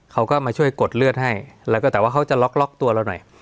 เขาก็มาช่วยกดเลือดให้แล้วก็แต่ว่าเขาจะล็อกตัวเราหน่อย